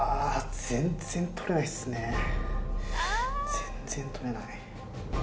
全然取れない。